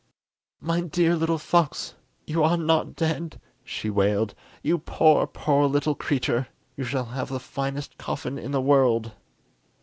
"My dear little fox, you are not dead," she wailed; "you poor, poor little creature, you shall have the finest coffin in the world!"